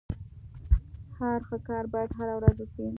هر ښه کار بايد هره ورځ وسي.